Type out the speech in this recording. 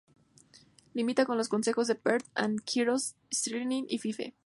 Limita con los concejos de Perth and Kinross, Stirling y Fife.